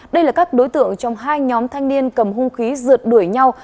đây là các đối tượng trong hai nhóm thanh niên cầm hung khí rượt đuổi nhau